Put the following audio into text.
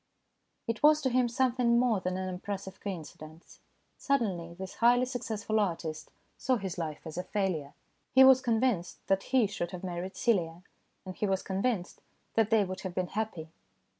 It was to him something more than an impres sive coincidence. Suddenly this highly successful artist saw his life as a failure. He was convinced that he should have married Celia, and he was convinced that they would have been happy.